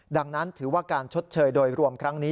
ดังนั้นถือว่าการชดเชยโดยรวมครั้งนี้